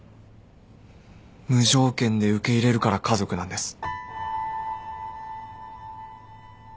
無条件で受け入れるから家族なんです。